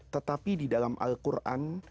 tetapi di dalam al quran